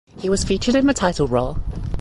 He was featured in the title role.